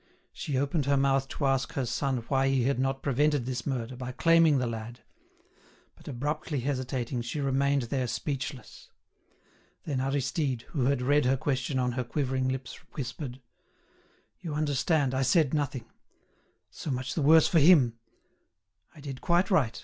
She opened her mouth to ask her son why he had not prevented this murder by claiming the lad; but abruptly hesitating she remained there speechless. Then Aristide, who had read her question on her quivering lips, whispered: "You understand, I said nothing—so much the worse for him! I did quite right.